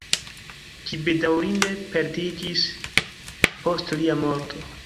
Ĝi bedaŭrinde perdiĝis post lia morto.